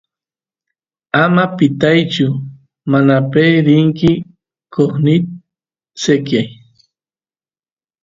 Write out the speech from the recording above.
ama pitaychu manape rinki qosnita sekyay